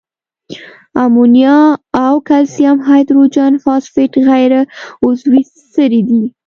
امونیا او کلسیم هایدروجن فاسفیټ غیر عضوي سرې دي.